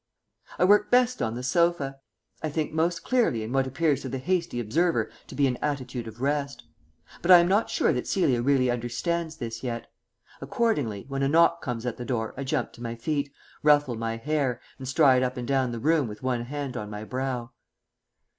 I work best on the sofa; I think most clearly in what appears to the hasty observer to be an attitude of rest. But I am not sure that Celia really understands this yet. Accordingly, when a knock comes at the door I jump to my feet, ruffle my hair, and stride up and down the room with one hand on my brow.